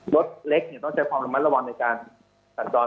รถเล็กต้องใช้ความระมัดระวังในการสัญจร